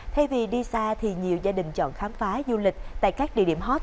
thay vì đi xa thì nhiều gia đình chọn khám phá du lịch tại các địa điểm hot